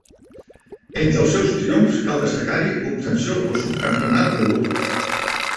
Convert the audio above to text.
Entre els seus triomfs cal destacar-hi l'obtenció del Subcampionat d'Europa.